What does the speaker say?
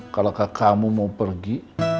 kalau kamu mau pergi